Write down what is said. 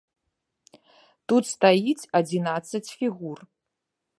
Тут стаіць адзінаццаць фігур.